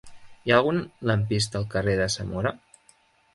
Hi ha algun lampista al carrer de Zamora?